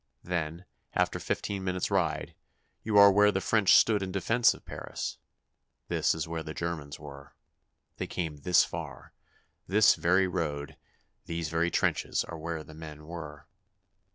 Then, after fifteen minutes' ride, you are where the French stood in defense of Paris.... This is where the Germans were. They came this far. This very road ... these very trenches are where the men were.